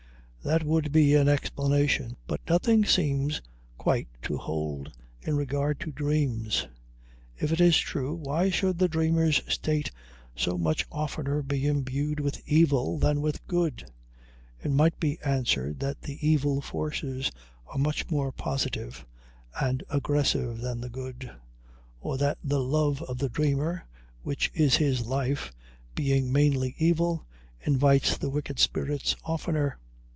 That would be an explanation, but nothing seems quite to hold in regard to dreams. If it is true, why should the dreamer's state so much oftener be imbued with evil than with good? It might be answered that the evil forces are much more positive and aggressive than the good; or that the love of the dreamer, which is his life, being mainly evil, invites the wicked spirits oftener.